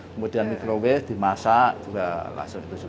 kemudian microwave dimasak langsung itu juga